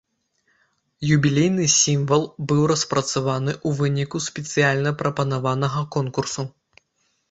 Юбілейны сімвал быў распрацаваны ў выніку спецыяльна прапанаванага конкурсу.